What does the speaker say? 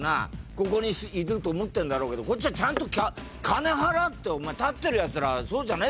ここにいると思ってるんだろうけどこっちはちゃんと金払ってお前立ってるヤツらはそうじゃねえだろ」っつって。